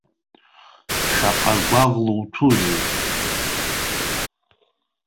Шаҟа гәаӷла уҭәузеи.